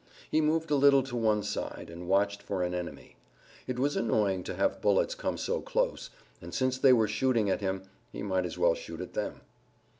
He moved a little to one side, and watched for an enemy. It was annoying to have bullets come so close, and since they were shooting at him he might as well shoot at them.